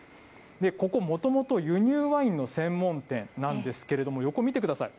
ここ、もともと輸入ワインの専門店なんですけれども、横、見てください。